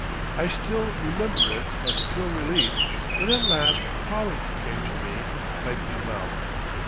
I still remember it as pure relief when at last Pollack came to me pipe in mouth.